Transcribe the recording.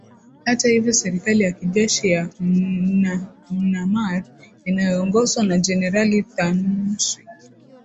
hata hivyo serikali yakijeshi ya mynamar inayoongozwa na generali thanswi